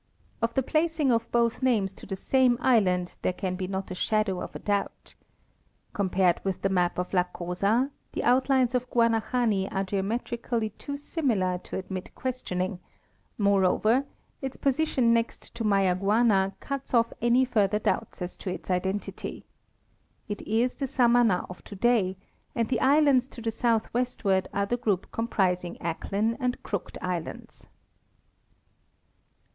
Of the placing of both names to the same island there can be not a shadow of a doubt. Compared with the map of la Cosa, the outlines of Guanahani are geometrically too similar to admit questioning; moreover, its position next to Mayaguana cuts off any further doubts as to its identity. It is the Samana of today, and the islands to the southwestward are the group comprising Acklin and Crooked islands.